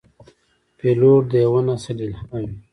پیلوټ د یوه نسل الهام وي.